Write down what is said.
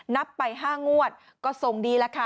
นับไป๕งวดก็ทรงดีแล้วค่ะ